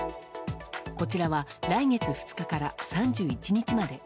こちらは来月２日から３１日まで。